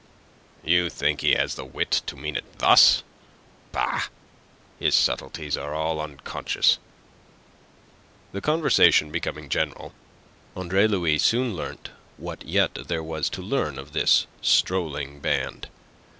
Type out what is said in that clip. "You think he has the wit to mean it thus? Bah! His subtleties are all unconscious." The conversation becoming general, Andre Louis soon learnt what yet there was to learn of this strolling band.